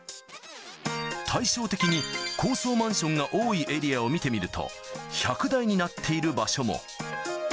対照的に、高層マンションが多いエリアを見てみると、１００台になっている場所も。